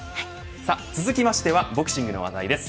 さあ、続きましてはボクシングの話題です。